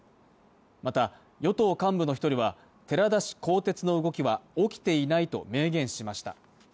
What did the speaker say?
また、与党幹部の１人は、寺田氏更迭の動きは起きていないと明言しました。